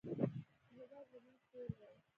هېواد زموږ کور دی